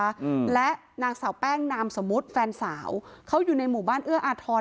อืมและนางสาวแป้งนามสมมุติแฟนสาวเขาอยู่ในหมู่บ้านเอื้ออาทร